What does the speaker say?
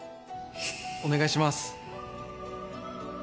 ・お願いします